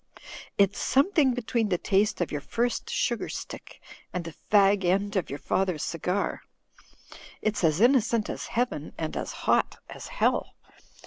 "It's some thing between the taste of your first sugar stick and the fag end of your father's cigar. It's as innocent as Heaven and as hot as hell.